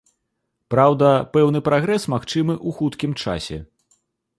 Праўда, пэўны прагрэс магчымы ў хуткім часе.